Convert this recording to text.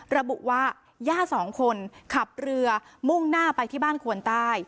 ระบุว่าย่าสองคนขับเรือมุ่งหน้าไปที่บ้านควนใต้